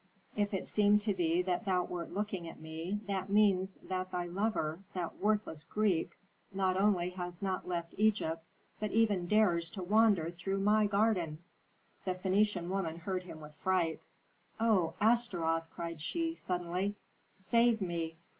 If it seemed to thee that thou wert looking at me, that means that thy lover, that worthless Greek, not only has not left Egypt, but even dares to wander through my garden." The Phœnician woman heard him with fright. "O Astaroth!" cried she, suddenly. "Save me!